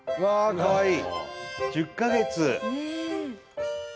かわいい。